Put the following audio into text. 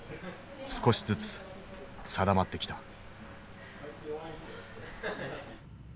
少しずつ定まってきた。